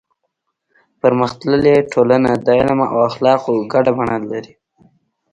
پرمختللې ټولنه د علم او اخلاقو ګډه بڼه لري.